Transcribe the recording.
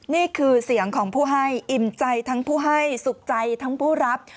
นี่คือเสียงของผู้ให้อิ่มใจทั้งผู้ให้สุขใจทั้งผู้รับ